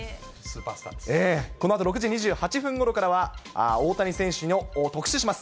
このあと６時２８分ごろからは、大谷選手を特集します。